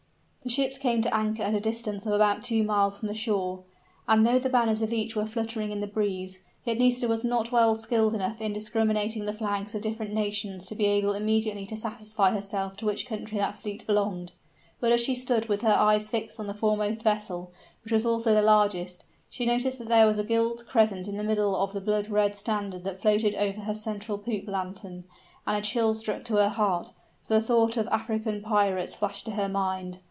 The ships came to anchor at a distance of about two miles from the shore: and though the banners of each were fluttering in the breeze, yet Nisida was not well skilled enough in discriminating the flags of different nations to be able immediately to satisfy herself to which country that fleet belonged. But as she stood with her eyes fixed on the foremost vessel, which was also the largest, she observed that there was a gilt crescent in the middle of the blood red standard that floated over her central poop lantern; and a chill struck to her heart for the thought of African pirates flashed to her mind!